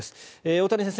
大谷先生